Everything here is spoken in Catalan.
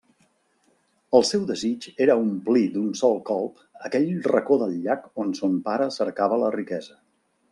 El seu desig era omplir d'un sol colp aquell racó del llac on son pare cercava la riquesa.